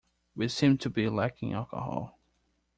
We seem to be lacking alcohol.